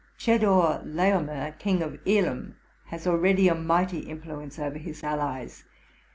Chedor Laomer, king of Elam, has already a mighty influence over his allies.